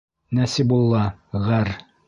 Насибулла ғәр.